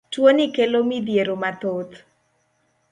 Tuoni kelo midhiero mathoth.